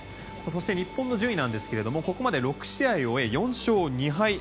そして日本の順位ですがここまで６試合を終え４勝２敗。